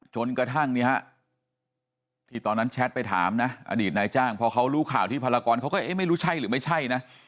จนกระทั่งที่ตอนนั้นแชทไปถามนะอดีตนายจ้างพอเขารู้ข่าวที่ภารกรเขาก็เอ๊ะไม่รู้ใช่หรือไม่ใช่นะ